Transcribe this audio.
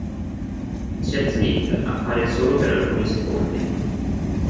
Chad Smith appare solo per alcuni secondi.